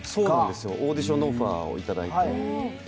オーディションのオファーをいただして。